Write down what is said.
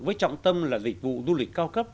với trọng tâm là dịch vụ du lịch cao cấp